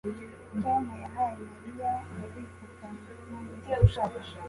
Tom yahaye Mariya ububiko bwa manila